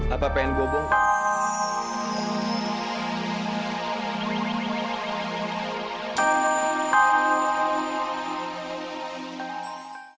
apa pengen gua bongkak